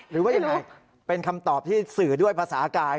หรือว่ายังไงเป็นคำตอบที่สื่อด้วยภาษากาย